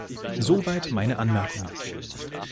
So weit meine Anmerkungen.